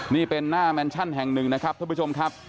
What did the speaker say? นี่เป็นหน้าแมนชั่นแห่งหนึ่งนะครับท่านผู้ชมครับ